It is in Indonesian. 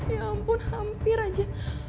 ya ampun hampir aja